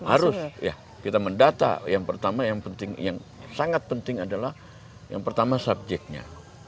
harus ya kita mendata yang pertama yang penting yang sangat penting adalah yang pertama subjeknya